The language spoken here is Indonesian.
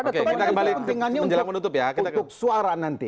oke kita kembali ke kepentingannya untuk suara nanti